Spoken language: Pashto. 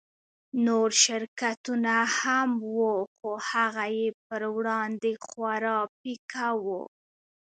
نور شرکتونه هم وو خو هغه يې پر وړاندې خورا پيکه وو.